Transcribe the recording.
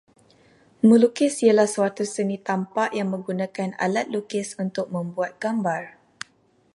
Melukis ialah suatu seni tampak yang menggunakan alat lukis untuk membuat gambar